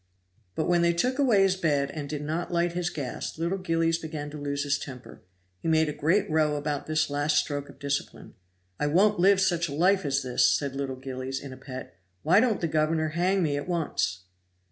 But when they took away his bed and did not light his gas little Gillies began to lose his temper; he made a great row about this last stroke of discipline. "I won't live such a life as this," said little Gillies, in a pet. "Why don't the governor hang me at once?"